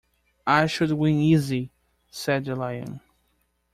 ‘I should win easy,’ said the Lion.